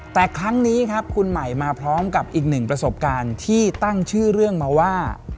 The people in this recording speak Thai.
แต่ครั้งนี้ครับคุณใหม่มาพร้อมกับอีกหนึ่งประสบการณ์ที่ตั้งชื่อเรื่องมาว่า